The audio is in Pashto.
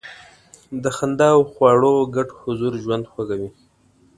د خندا او خواړو ګډ حضور ژوند خوږوي.